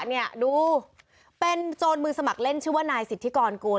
เนี่ยดูเป็นโจรมือสมัครเล่นชื่อว่านายสิทธิกรกูล